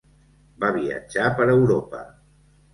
Va viatjar per Europa: